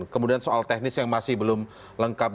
kemudian soal teknis yang masih belum lengkap